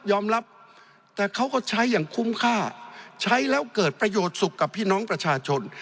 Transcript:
รับแต่เขาก็ใช้อย่างคุ้มค่าใช้แล้วเกิดประโยชน์สุขกับพี่น้องประชาชน